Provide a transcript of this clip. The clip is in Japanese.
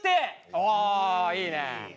おいいね。